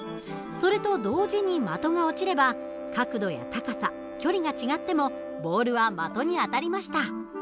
それと同時に的が落ちれば角度や高さ距離が違ってもボールは的に当たりました。